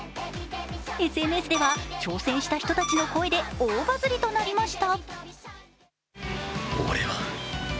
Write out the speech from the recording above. ＳＮＳでは挑戦した人たちの声で大バズりとなりました。